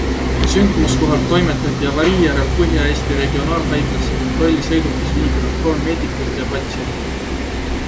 Sündmuskohalt toimetati avarii järel Põhja-Eesti regionaalhaiglasse kontrolli sõidukis viibinud kolm meedikut ja patsient.